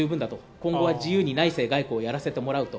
今後は自由に内政と外交をやらせてもらうと。